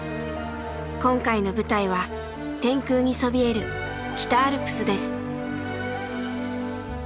今回の舞台は天空にそびえる北アルプスです。